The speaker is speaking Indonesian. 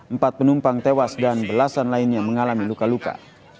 empat penumpang tewas dan belasan lainnya mengalami luka luka